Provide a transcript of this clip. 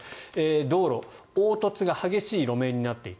道路凹凸が激しい路面になっていた。